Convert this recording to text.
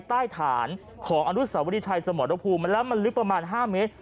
ใต้ฐานของอนุสาวรีชัยสมรภูมิแล้วมันลึกประมาณ๕เมตร